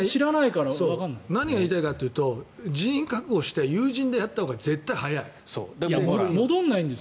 何が言いたいかというと人材を確保して有人でやったほうが戻らないんです。